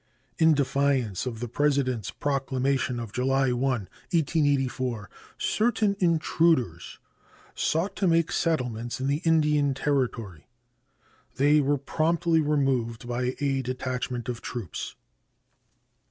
In defiance of the President's proclamation of July 1, 1884, certain intruders sought to make settlements in the Indian Territory. They were promptly removed by a detachment of troops.